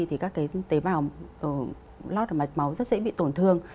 thì các tế bào lót ở mạch máu rất dễ bị tổn thương